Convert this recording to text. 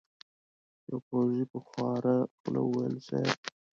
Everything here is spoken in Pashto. يوه پوځي په خواره خوله وويل: صېب!